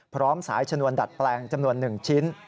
พร้อมสายชนวนดัดแปลงจำนวน๑ชิ้น